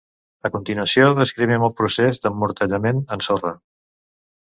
A continuació descrivim el procés d'emmotllament en sorra.